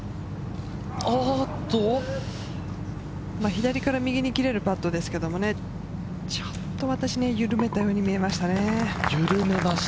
左から右に切れるパットですけれど、ちょっと私、緩めたように見えましたね。